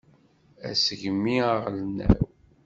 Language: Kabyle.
Asegmi aɣelnaw.